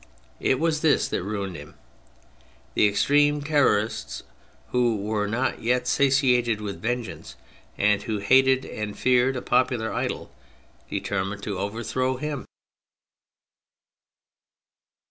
It was this that ruined him. The extreme Terrorists, those who were not yet satiated with vengeance, and who hated and feared a popular idol, determined to overthrow him.